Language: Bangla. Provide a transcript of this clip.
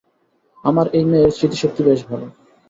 আমার এই মেয়ের স্মৃতিশক্তি বেশ ভালো।